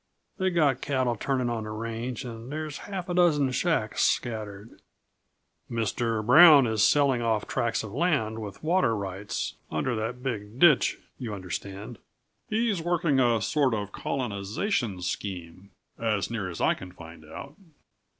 They've got cattle turned on the range, and there's half a dozen shacks scattered " "Mr. Brown is selling off tracts of land with water rights under that big ditch, you understand. He's working a sort of colonization scheme, as near as I can find out.